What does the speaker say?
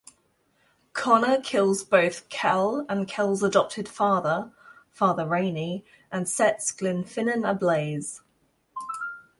Connor kills both Kell and Kell's adopted father, Father Rainey, and sets Glenfinnan ablaze.